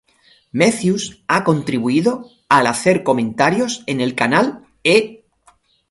Mathews ha contribuido al hacer comentarios en el canal E!